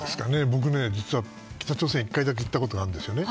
僕、実は北朝鮮１回だけ行ったことあるんですよね。